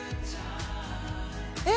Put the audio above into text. え！